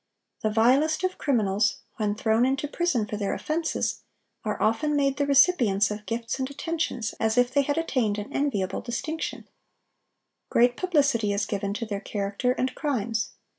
The vilest of criminals, when thrown into prison for their offenses, are often made the recipients of gifts and attentions, as if they had attained an enviable distinction. Great publicity is given to their character and crimes.